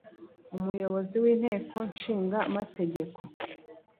Umuyobozi winteko ishinga amategeko